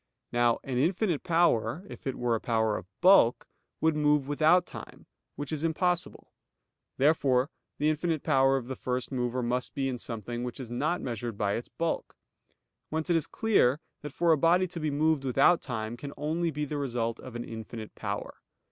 Now an infinite power, if it were a power of bulk, would move without time, which is impossible; therefore the infinite power of the first mover must be in something which is not measured by its bulk. Whence it is clear that for a body to be moved without time can only be the result of an infinite power.